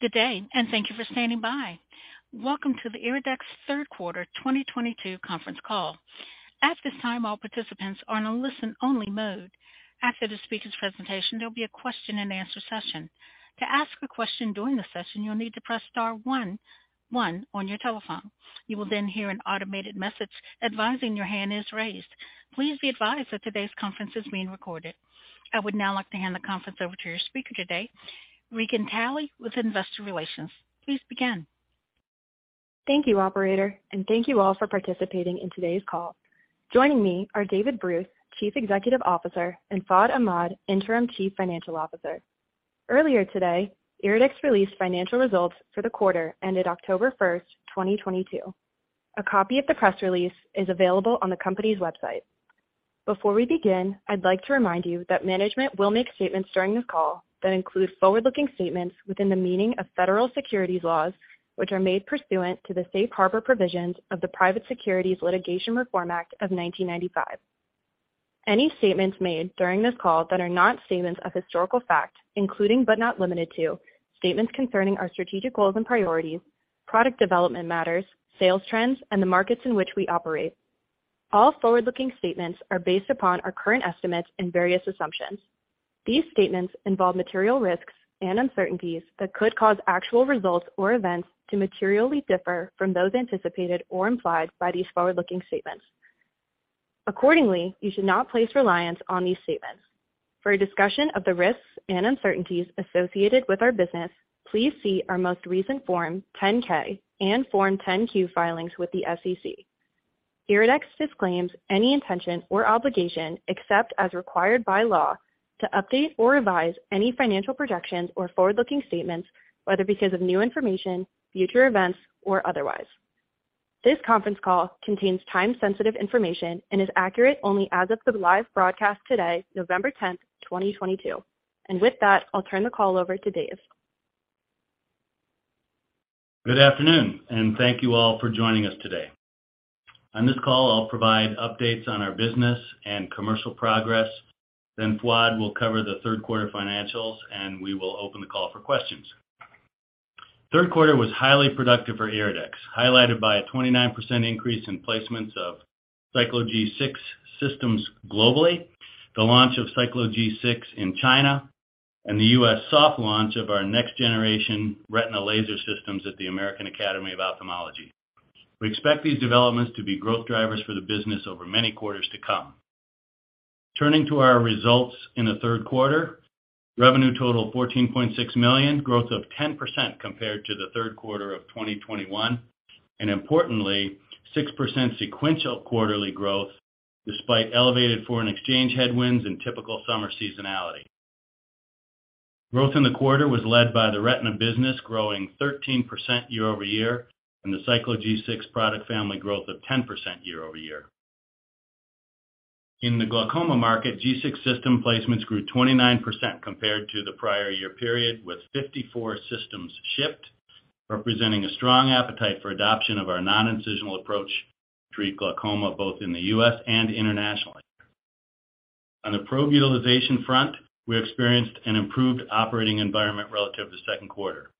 Good day, and thank you for standing by. Welcome to the IRIDEX third quarter 2022 conference call. At this time, all participants are in a listen-only mode. After the speaker's presentation, there'll be a question-and-answer session. To ask a question during the session, you'll need to press star one one on your telephone. You will then hear an automated message advising your hand is raised. Please be advised that today's conference is being recorded. I would now like to hand the conference over to your speaker today, Hunter Cabi, with Investor Relations. Please begin. Thank you, operator, and thank you all for participating in today's call. Joining me are David Bruce, Chief Executive Officer, and Fuad Ahmad, Interim Chief Financial Officer. Earlier today, IRIDEX released financial results for the quarter ended October 1, 2022. A copy of the press release is available on the company's website. Before we begin, I'd like to remind you that management will make statements during this call that include forward-looking statements within the meaning of federal securities laws, which are made pursuant to the Safe Harbor provisions of the Private Securities Litigation Reform Act of 1995. Any statements made during this call that are not statements of historical fact, including but not limited to, statements concerning our strategic goals and priorities, product development matters, sales trends, and the markets in which we operate. All forward-looking statements are based upon our current estimates and various assumptions. These statements involve material risks and uncertainties that could cause actual results or events to materially differ from those anticipated or implied by these forward-looking statements. Accordingly, you should not place reliance on these statements. For a discussion of the risks and uncertainties associated with our business, please see our most recent Form 10-K and Form 10-Q filings with the SEC. IRIDEX disclaims any intention or obligation, except as required by law, to update or revise any financial projections or forward-looking statements, whether because of new information, future events, or otherwise. This conference call contains time-sensitive information and is accurate only as of the live broadcast today, November tenth, 2022. With that, I'll turn the call over to David. Good afternoon, and thank you all for joining us today. On this call, I'll provide updates on our business and commercial progress. Fuad will cover the third quarter financials, and we will open the call for questions. Third quarter was highly productive for IRIDEX, highlighted by a 29% increase in placements of Cyclo G6 systems globally, the launch of Cyclo G6 in China, and the U.S. soft launch of our next-generation retina laser systems at the American Academy of Ophthalmology. We expect these developments to be growth drivers for the business over many quarters to come. Turning to our results in the third quarter, revenue totaled $14.6 million, growth of 10% compared to the third quarter of 2021, and importantly, 6% sequential quarterly growth despite elevated foreign exchange headwinds and typical summer seasonality. Growth in the quarter was led by the retina business growing 13% year-over-year and the Cyclo G6 product family growth of 10% year-over-year. In the glaucoma market, G6 system placements grew 29% compared to the prior year period, with 54 systems shipped, representing a strong appetite for adoption of our non-incisional approach to treat glaucoma, both in the U.S. and internationally. On the probe utilization front, we experienced an improved operating environment relative to second quarter.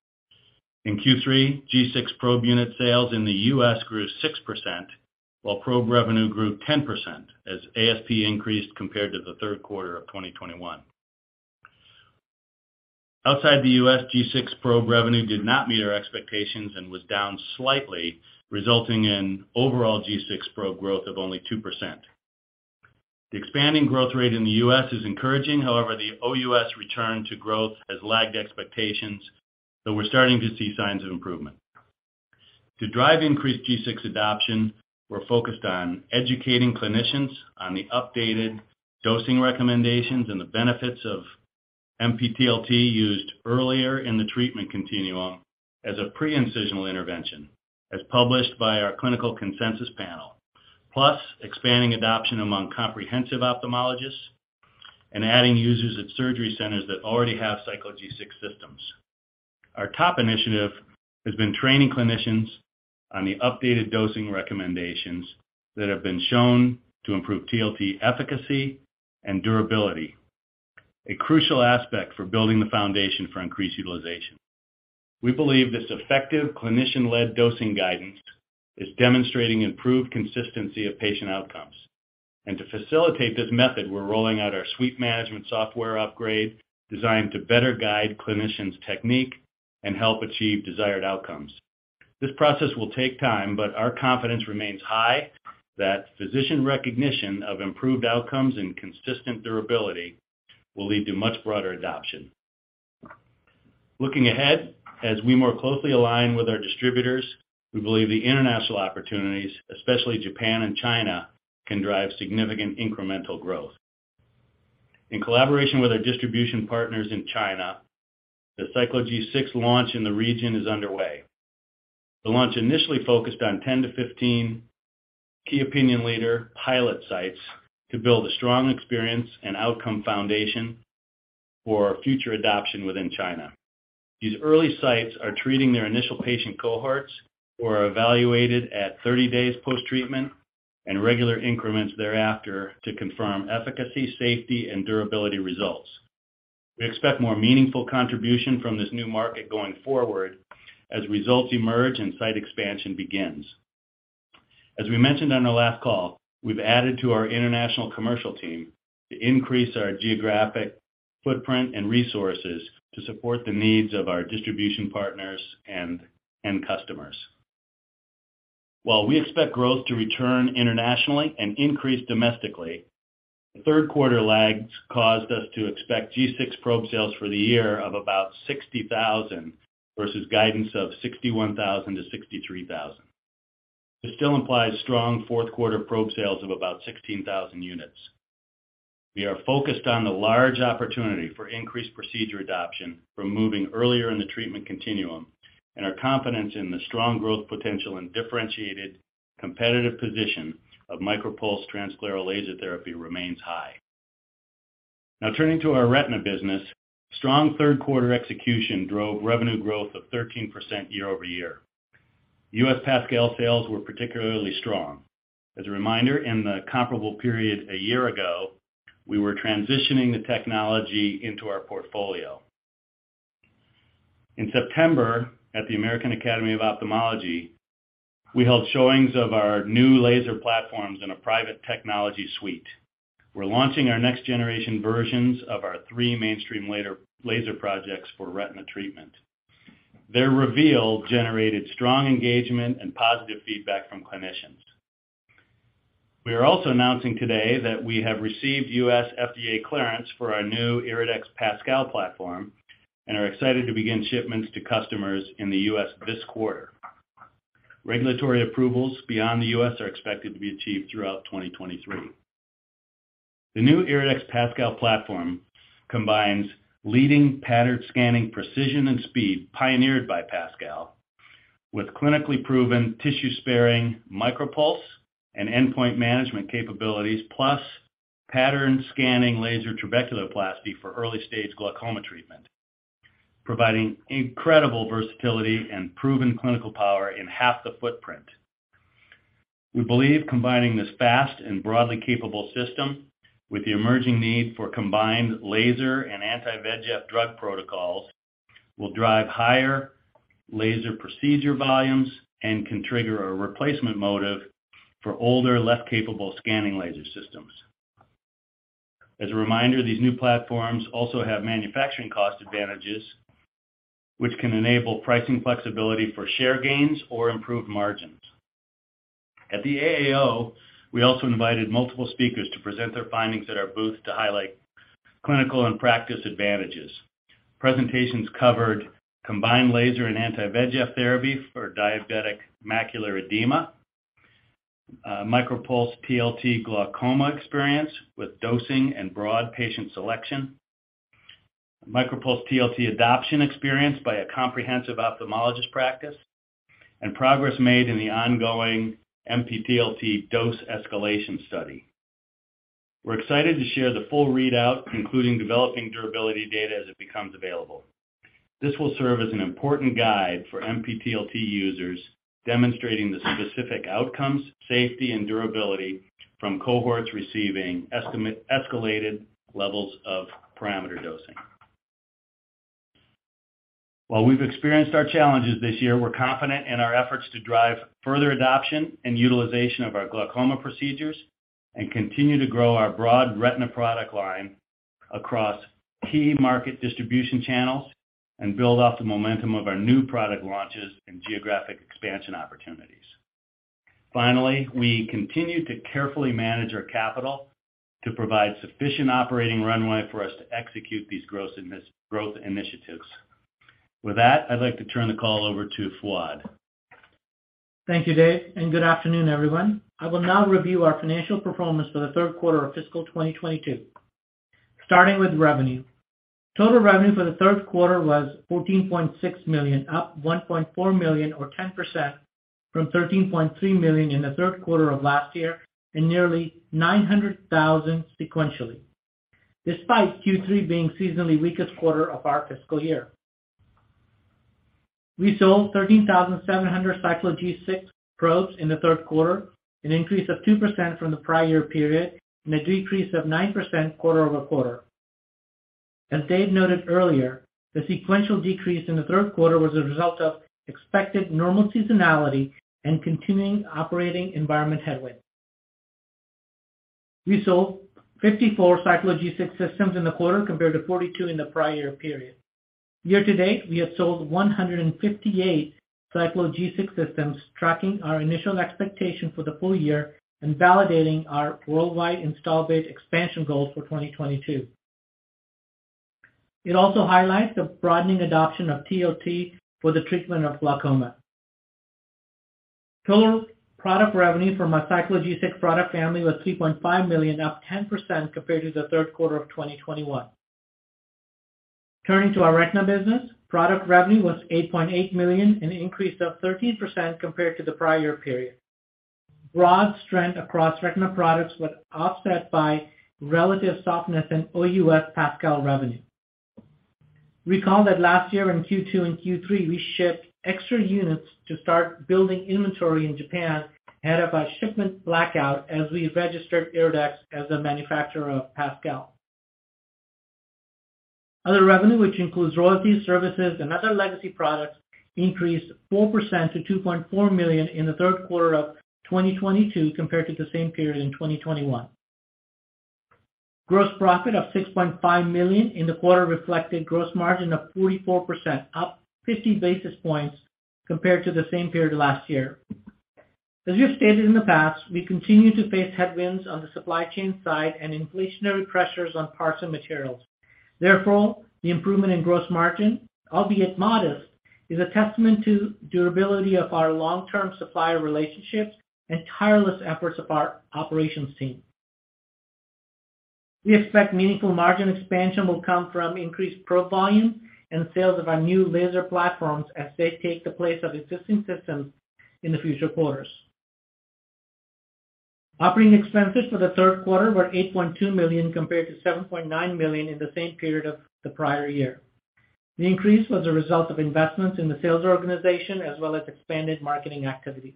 In Q3, G6 probe unit sales in the U.S. grew 6%, while probe revenue grew 10% as ASP increased compared to the third quarter of 2021. Outside the U.S., G6 probe revenue did not meet our expectations and was down slightly, resulting in overall G6 probe growth of only 2%. The expanding growth rate in the U.S. is encouraging. However, the O.U.S. return to growth has lagged expectations, but we're starting to see signs of improvement. To drive increased G6 adoption, we're focused on educating clinicians on the updated dosing recommendations and the benefits of MPTLT used earlier in the treatment continuum as a pre-incisional intervention, as published by our clinical consensus panel. Plus, expanding adoption among comprehensive ophthalmologists and adding users at surgery centers that already have Cyclo G6 systems. Our top initiative has been training clinicians on the updated dosing recommendations that have been shown to improve TLT efficacy and durability, a crucial aspect for building the foundation for increased utilization. We believe this effective clinician-led dosing guidance is demonstrating improved consistency of patient outcomes. To facilitate this method, we're rolling out our Suite Management Software upgrade designed to better guide clinicians' technique and help achieve desired outcomes. This process will take time, but our confidence remains high that physician recognition of improved outcomes and consistent durability will lead to much broader adoption. Looking ahead, as we more closely align with our distributors, we believe the international opportunities, especially Japan and China, can drive significant incremental growth. In collaboration with our distribution partners in China, the Cyclo G6 launch in the region is underway. The launch initially focused on 10-15 key opinion leader pilot sites to build a strong experience and outcome foundation for future adoption within China. These early sites are treating their initial patient cohorts who are evaluated at 30 days post-treatment. Regular increments thereafter to confirm efficacy, safety, and durability results. We expect more meaningful contribution from this new market going forward as results emerge and site expansion begins. As we mentioned on our last call, we've added to our international commercial team to increase our geographic footprint and resources to support the needs of our distribution partners and end customers. While we expect growth to return internationally and increase domestically, the third quarter lags caused us to expect G6 probe sales for the year of about 60,000 versus guidance of 61,000-63,000. This still implies strong fourth quarter probe sales of about 16,000 units. We are focused on the large opportunity for increased procedure adoption for moving earlier in the treatment continuum, and our confidence in the strong growth potential and differentiated competitive position of MicroPulse Transscleral Laser Therapy remains high. Now turning to our retina business. Strong third quarter execution drove revenue growth of 13% year-over-year. U.S. PASCAL sales were particularly strong. As a reminder, in the comparable period a year ago, we were transitioning the technology into our portfolio. In September, at the American Academy of Ophthalmology, we held showings of our new laser platforms in a private technology suite. We're launching our next generation versions of our three mainstream laser projects for retina treatment. Their reveal generated strong engagement and positive feedback from clinicians. We are also announcing today that we have received U.S. FDA clearance for our new IRIDEX PASCAL platform and are excited to begin shipments to customers in the U.S. this quarter. Regulatory approvals beyond the U.S. are expected to be achieved throughout 2023. The new IRIDEX PASCAL platform combines leading pattern scanning precision and speed pioneered by PASCAL with clinically proven tissue-sparing MicroPulse and Endpoint Management capabilities, plus Pattern Scanning Laser Trabeculoplasty for early-stage glaucoma treatment, providing incredible versatility and proven clinical power in half the footprint. We believe combining this fast and broadly capable system with the emerging need for combined laser and anti-VEGF drug protocols, will drive higher laser procedure volumes and can trigger a replacement motive for older, less capable scanning laser systems. As a reminder, these new platforms also have manufacturing cost advantages, which can enable pricing flexibility for share gains or improved margins. At the AAO, we also invited multiple speakers to present their findings at our booth to highlight clinical and practice advantages. Presentations covered combined laser and anti-VEGF therapy for diabetic macular edema, MicroPulse TLT glaucoma experience with dosing and broad patient selection, MicroPulse TLT adoption experience by a comprehensive ophthalmologist practice, and progress made in the ongoing MPTLT dose escalation study. We're excited to share the full readout, including developing durability data as it becomes available. This will serve as an important guide for MPTLT users, demonstrating the specific outcomes, safety, and durability from cohorts receiving escalated levels of parameter dosing. While we've experienced our challenges this year, we're confident in our efforts to drive further adoption and utilization of our glaucoma procedures and continue to grow our broad retina product line across key market distribution channels and build off the momentum of our new product launches and geographic expansion opportunities. Finally, we continue to carefully manage our capital to provide sufficient operating runway for us to execute these growth initiatives. With that, I'd like to turn the call over to Fuad. Thank you, Dave, and good afternoon, everyone. I will now review our financial performance for the third quarter of fiscal 2022. Starting with revenue. Total revenue for the third quarter was $14.6 million, up $1.4 million or 10% from $13.3 million in the third quarter of last year, and nearly $900,000 sequentially, despite Q3 being seasonally weakest quarter of our fiscal year. We sold 13,700 Cyclo G6 probes in the third quarter, an increase of 2% from the prior year period, and a decrease of 9% quarter-over-quarter. As Dave noted earlier, the sequential decrease in the third quarter was a result of expected normal seasonality and continuing operating environment headwinds. We sold 54 Cyclo G6 systems in the quarter, compared to 42 in the prior period. Year to date, we have sold 158 Cyclo G6 systems, tracking our initial expectation for the full year and validating our worldwide install base expansion goal for 2022. It also highlights the broadening adoption of TLT for the treatment of glaucoma. Total product revenue from our Cyclo G6 product family was $3.5 million, up 10% compared to the third quarter of 2021. Turning to our retina business. Product revenue was $8.8 million, an increase of 13% compared to the prior year period. Broad strength across retina products was offset by relative softness in OU.S. PASCAL revenue. Recall that last year in Q2 and Q3, we shipped extra units to start building inventory in Japan ahead of a shipment blackout as we registered IRIDEX as a manufacturer of PASCAL. Other revenue, which includes royalties, services and other legacy products, increased 4% to $2.4 million in the third quarter of 2022 compared to the same period in 2021. Gross profit of $6.5 million in the quarter reflected gross margin of 44%, up 50 basis points compared to the same period last year. As we have stated in the past, we continue to face headwinds on the supply chain side and inflationary pressures on parts and materials. Therefore, the improvement in gross margin, albeit modest, is a testament to durability of our long-term supplier relationships and tireless efforts of our operations team. We expect meaningful margin expansion will come from increased probe volume and sales of our new laser platforms as they take the place of existing systems in the future quarters. Operating expenses for the third quarter were $8.2 million compared to $7.9 million in the same period of the prior year. The increase was a result of investments in the sales organization as well as expanded marketing activities.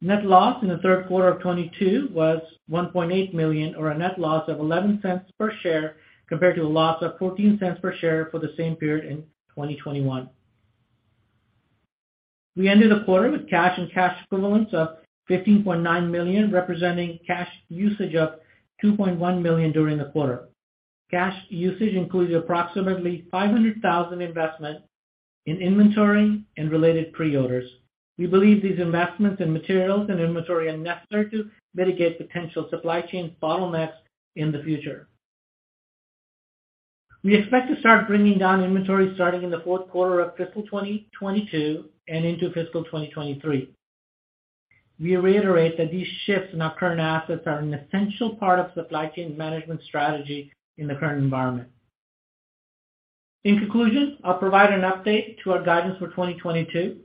Net loss in the third quarter of 2022 was $1.8 million or a net loss of $0.11 per share, compared to a loss of $0.14 per share for the same period in 2021. We ended the quarter with cash and cash equivalents of $15.9 million, representing cash usage of $2.1 million during the quarter. Cash usage includes approximately $500,000 investment in inventory and related pre-orders. We believe these investments in materials and inventory are necessary to mitigate potential supply chain bottlenecks in the future. We expect to start bringing down inventory starting in the fourth quarter of fiscal 2022 and into fiscal 2023. We reiterate that these shifts in our current assets are an essential part of supply chain management strategy in the current environment. In conclusion, I'll provide an update to our guidance for 2022.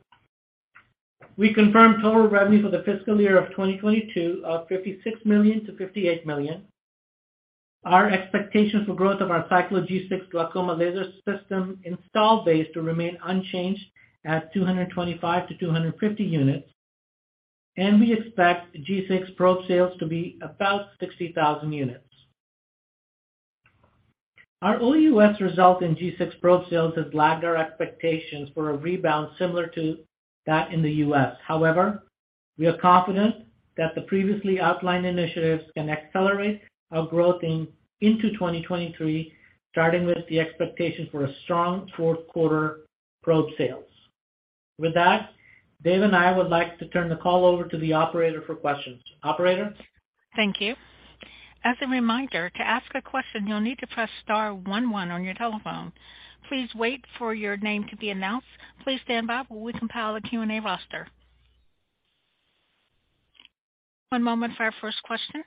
We confirm total revenue for the fiscal year of 2022 of $56 million to $58 million. Our expectations for growth of our Cyclo G6 glaucoma laser system installed base to remain unchanged at 225 to 250 units. We expect G6 probe sales to be about 60,000 units. Our O.U.S. result in G6 probe sales has lagged our expectations for a rebound similar to that in the U.S. However, we are confident that the previously outlined initiatives can accelerate our growth into 2023, starting with the expectation for a strong fourth quarter probe sales. With that, Dave and I would like to turn the call over to the operator for questions. Operator? Thank you. As a reminder, to ask a question, you'll need to press star one one on your telephone. Please wait for your name to be announced. Please stand by while we compile the Q&A roster. One moment for our first question.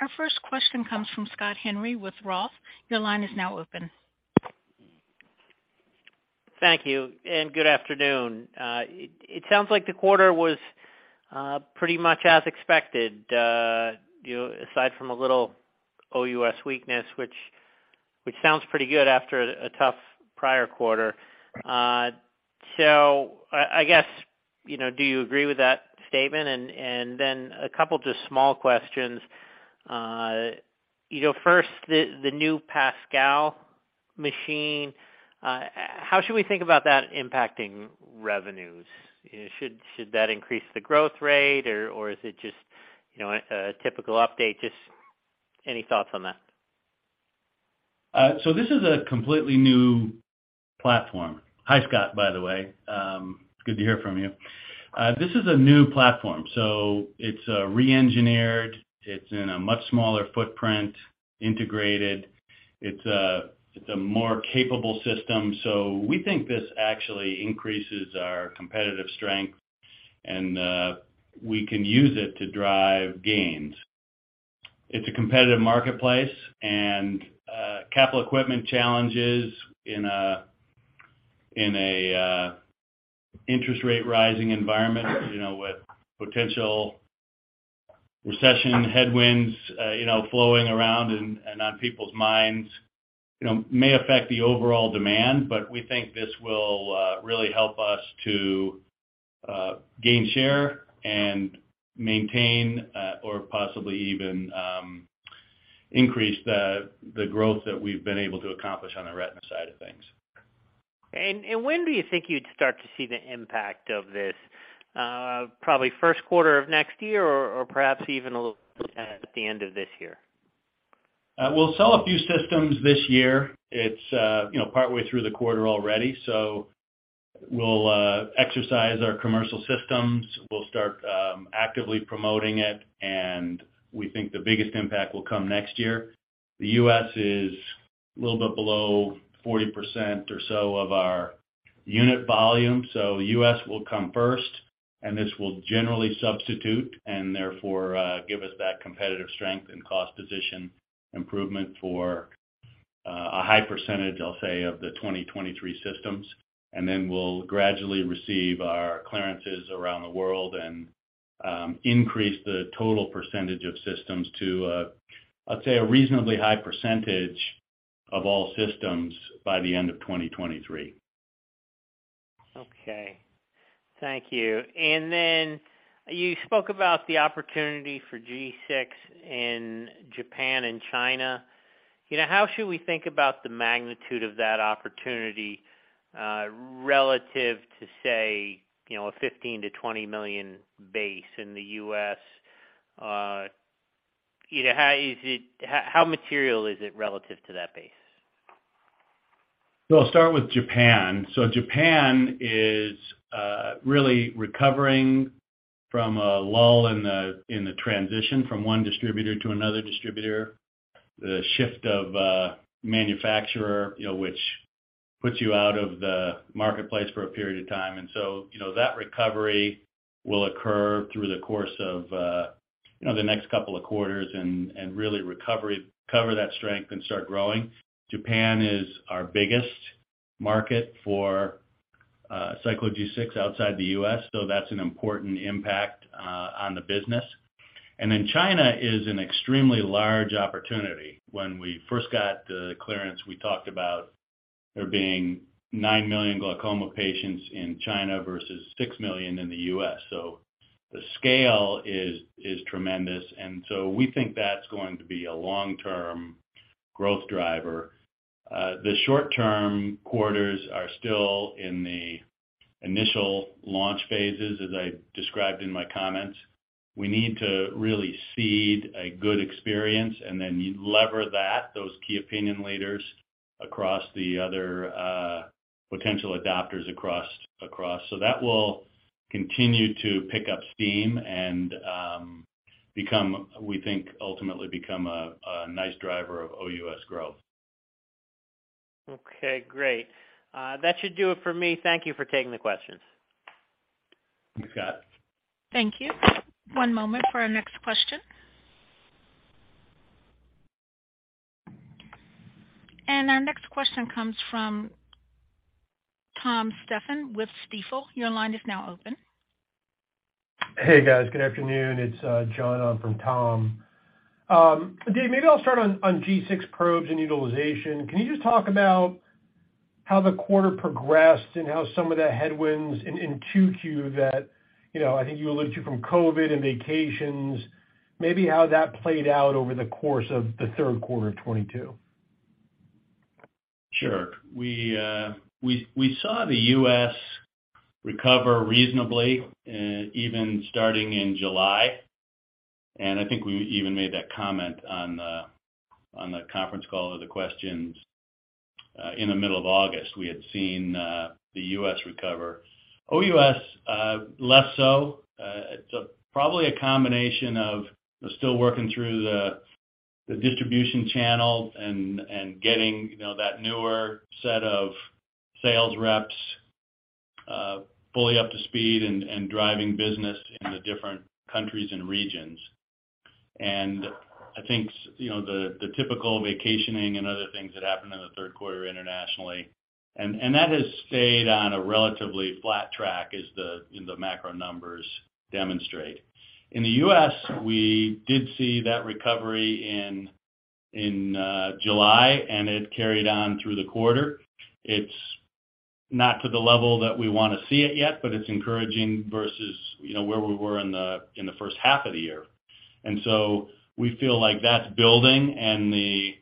Our first question comes from Scott Henry with Roth. Your line is now open. Thank you and good afternoon. It sounds like the quarter was pretty much as expected, you know, aside from a little OU.S. weakness, which sounds pretty good after a tough prior quarter. I guess, you know, do you agree with that statement? Then a couple just small questions. You know, first, the new PASCAL machine, how should we think about that impacting revenues? Should that increase the growth rate or is it just, you know, a typical update? Just any thoughts on that. This is a completely new platform. Hi, Scott, by the way. It's good to hear from you. This is a new platform, so it's re-engineered. It's in a much smaller footprint, integrated. It's a more capable system. We think this actually increases our competitive strength, and we can use it to drive gains. It's a competitive marketplace and capital equipment challenges in an interest rate rising environment, you know, with potential recession headwinds, you know, flowing around and on people's minds, you know, may affect the overall demand. We think this will really help us to gain share and maintain or possibly even increase the growth that we've been able to accomplish on the retina side of things. When do you think you'd start to see the impact of this? Probably first quarter of next year or perhaps even a little at the end of this year? We'll sell a few systems this year. It's, you know, partway through the quarter already, so we'll exercise our commercial systems. We'll start actively promoting it, and we think the biggest impact will come next year. The U.S. is a little bit below 40% or so of our unit volume, so U.S. will come first, and this will generally substitute and therefore give us that competitive strength and cost position improvement for a high percentage, I'll say, of the 2023 systems, and then we'll gradually receive our clearances around the world and increase the total percentage of systems to, I'd say a reasonably high percentage of all systems by the end of 2023. Okay. Thank you. You spoke about the opportunity for G6 in Japan and China. You know, how should we think about the magnitude of that opportunity, relative to, say, you know, a $15 million-$20 million base in the U.S.? You know, how material is it relative to that base? I'll start with Japan. Japan is really recovering from a lull in the transition from one distributor to another distributor, the shift of manufacturer, you know, which puts you out of the marketplace for a period of time. That recovery will occur through the course of the next couple of quarters and really recover that strength and start growing. Japan is our biggest market for Cyclo G6 outside the U.S., so that's an important impact on the business. China is an extremely large opportunity. When we first got the clearance, we talked about there being 9 million glaucoma patients in China versus 6 million in the U.S. The scale is tremendous, and we think that's going to be a long-term growth driver. The short-term quarters are still in the initial launch phases, as I described in my comments. We need to really seed a good experience and then leverage that, those key opinion leaders across the other potential adopters across. That will continue to pick up steam and, we think, ultimately become a nice driver of O.U.S. growth. Okay, great. That should do it for me. Thank you for taking the questions. Thanks, Scott. Thank you. One moment for our next question. Our next question comes from Tom Stephan with Stifel. Your line is now open. Hey, guys. Good afternoon. It's John on from Tom. David, maybe I'll start on G6 probes and utilization. Can you just talk about how the quarter progressed and how some of the headwinds in 2Q that you know I think you alluded to from COVID and vacations, maybe how that played out over the course of the third quarter of 2022? Sure. We saw the U.S. recover reasonably, even starting in July. I think we even made that comment on the conference call or the questions in the middle of August. We had seen the U.S. recover. OU.S. less so. It's probably a combination of still working through the distribution channel and getting, you know, that newer set of sales reps fully up to speed and driving business in the different countries and regions. I think, you know, the typical vacationing and other things that happened in the third quarter internationally. That has stayed on a relatively flat track as you know, the macro numbers demonstrate. In the U.S., we did see that recovery in July, and it carried on through the quarter. It's not to the level that we wanna see it yet, but it's encouraging versus, you know, where we were in the first half of the year. We feel like that's building and the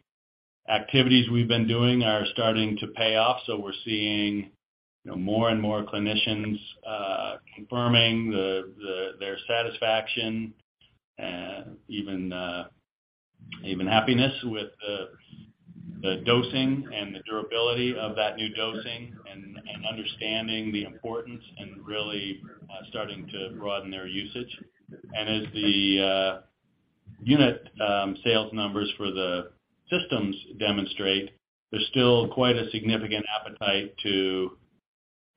activities we've been doing are starting to pay off. We're seeing, you know, more and more clinicians confirming their satisfaction, even happiness with the dosing and the durability of that new dosing and understanding the importance and really starting to broaden their usage. As the unit sales numbers for the systems demonstrate, there's still quite a significant appetite to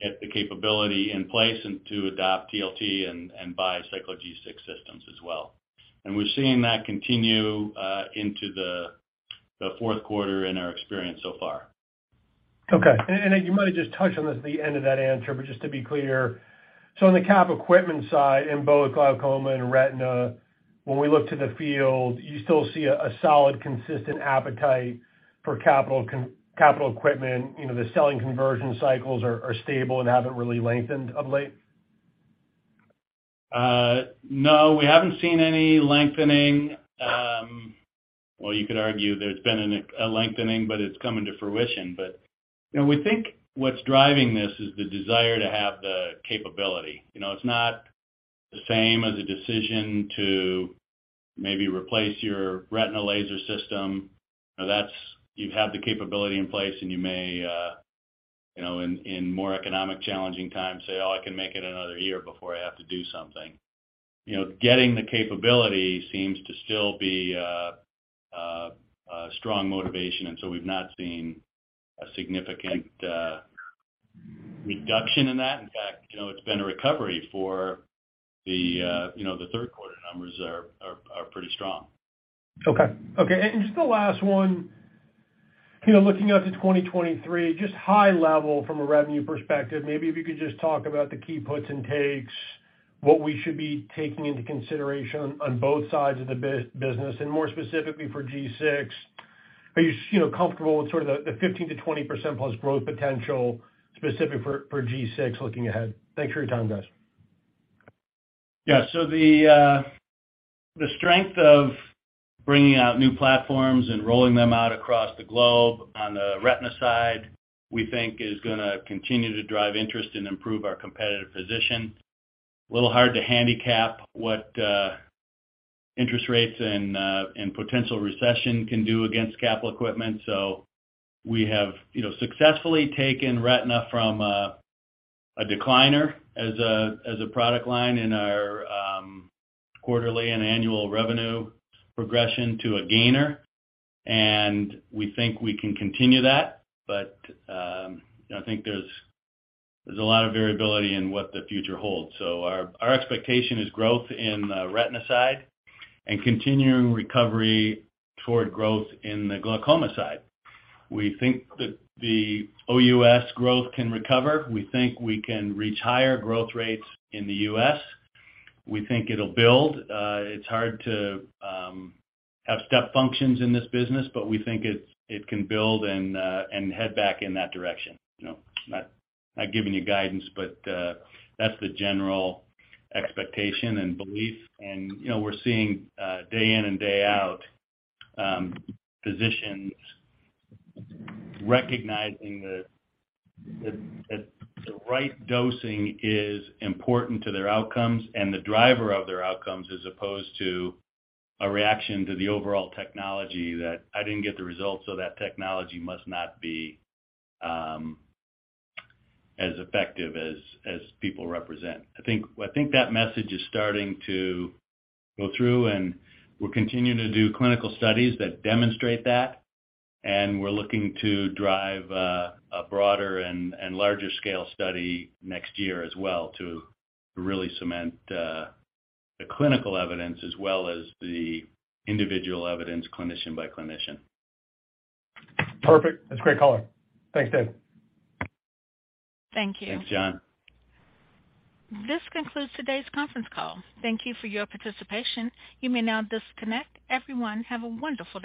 get the capability in place and to adopt TLT and buy Cyclo G6 systems as well. We're seeing that continue into the fourth quarter in our experience so far. Okay. You might have just touched on this at the end of that answer, but just to be clear. On the capital equipment side, in both glaucoma and retina, when we look to the field, you still see a solid, consistent appetite for capital equipment. You know, the selling conversion cycles are stable and haven't really lengthened of late? No, we haven't seen any lengthening. Well, you could argue there's been a lengthening, but it's coming to fruition. You know, we think what's driving this is the desire to have the capability. You know, it's not the same as a decision to maybe replace your retinal laser system. You know, that's. You have the capability in place, and you may, you know, in economically challenging times say, "Oh, I can make it another year before I have to do something." You know, getting the capability seems to still be a strong motivation, and so we've not seen a significant reduction in that. In fact, you know, it's been a recovery for the third quarter. Numbers are pretty strong. Okay. Just the last one, you know, looking out to 2023, just high level from a revenue perspective, maybe if you could just talk about the key puts and takes, what we should be taking into consideration on both sides of the business, and more specifically for G6. Are you know, comfortable with sort of the 15% to 20% plus growth potential specific for G6 looking ahead? Thanks for your time, guys. Yeah. The strength of bringing out new platforms and rolling them out across the globe on the retina side, we think is gonna continue to drive interest and improve our competitive position. A little hard to handicap what interest rates and potential recession can do against capital equipment. We have, you know, successfully taken retina from a decliner as a product line in our quarterly and annual revenue progression to a gainer, and we think we can continue that. I think there's a lot of variability in what the future holds. Our expectation is growth in the retina side and continuing recovery toward growth in the glaucoma side. We think that the O.U.S. growth can recover. We think we can reach higher growth rates in the U.S. We think it'll build. It's hard to have step functions in this business, but we think it can build and head back in that direction. You know, not giving you guidance, but that's the general expectation and belief. You know, we're seeing day in and day out physicians recognizing that the right dosing is important to their outcomes and the driver of their outcomes, as opposed to a reaction to the overall technology that I didn't get the results, so that technology must not be as effective as people represent. I think that message is starting to go through, and we're continuing to do clinical studies that demonstrate that. We're looking to drive a broader and larger scale study next year as well to really cement the clinical evidence as well as the individual evidence clinician by clinician. Perfect. That's a great color. Thanks, Dave. Thank you. Thanks, John. This concludes today's conference call. Thank you for your participation. You may now disconnect. Everyone, have a wonderful day.